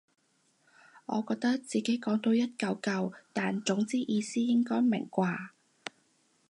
我覺得自己講到一嚿嚿但總之意思應該明啩